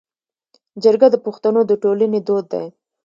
جرګه د پښتنو د ټولنې دود دی